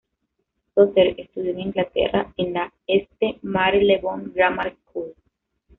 Sothern estudió en Inglaterra, en la St Marylebone Grammar School.